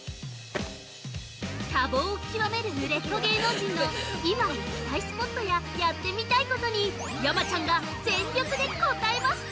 ◆多忙をきわめる売れっ子芸能人の今行きたいスポットややってみたいことに山ちゃんが全力で応えます。